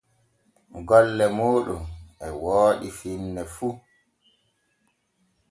Golle mooɗon e wooɗi finne fu.